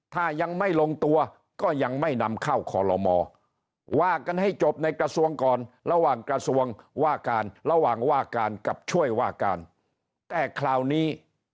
ถ้ายังไม่ลงตัวก็ยังไม่นำเข้าคอลโลมอว่ากันให้จบในกระทรวงก่อนระหว่างกระทรวงว่าการระหว่างว่าการกับช่วยว่าการแต่คราวนี้